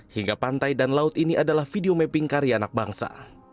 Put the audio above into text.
hingga pantai dan laut ini adalah video mapping karya anak bangsa